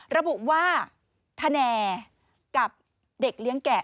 ระบุว่าทะแนกับเด็กเลี้ยงแก่